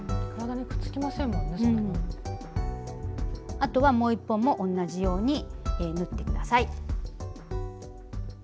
あとはもう一方も同じように縫ってください。